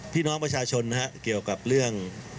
พี่น้องประชาชนนะฮะเกี่ยวกับเรื่อง